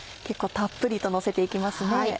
結構たっぷりとのせて行きますね。